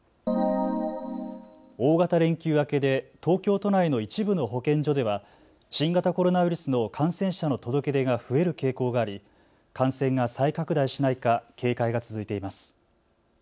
大型連休明けで東京都内の一部の保健所では新型コロナウイルスの感染者の届け出が増える傾向があり感染が再拡大しないか警戒が続いています。